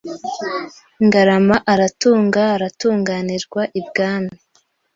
Ngarama aratunga aratunganirwa Ibwami